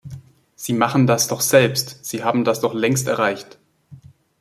Sie machen das doch selbst, sie haben das doch längst erreicht.